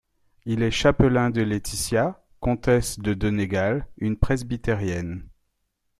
Il est chapelain de Letitia, comtesse de Donegal, une presbytérienne.